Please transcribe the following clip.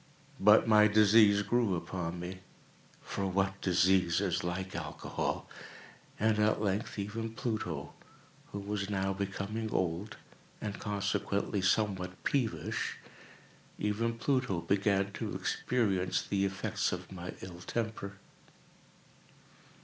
But my disease grew upon me—for what disease is like Alcohol!—and at length even Pluto, who was now becoming old, and consequently somewhat peevish—even Pluto began to experience the effects of my ill temper.